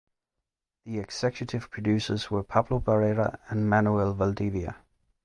The executive producers were Pablo Barrera and Manuel Valdivia.